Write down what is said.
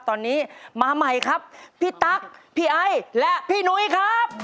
ตอนนี้มาใหม่ครับพี่ตั๊กพี่ไอและพี่หนุ้ยครับ